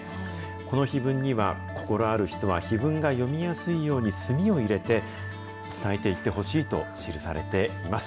この碑文には、心ある人は碑文が読みやすいように、墨を入れて、伝えていってほしいと記されています。